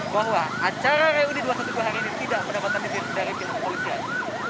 bahwa acara reuni dua ratus dua belas hari ini tidak mendapatkan izin dari pihak kepolisian